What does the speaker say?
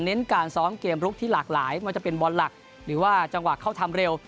การซ้อมเกมลุกที่หลากหลายไม่ว่าจะเป็นบอลหลักหรือว่าจังหวะเข้าทำเร็ว